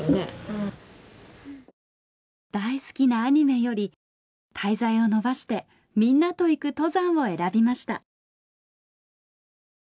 大好きなアニメより滞在を延ばしてみんなと行く登山を選びました。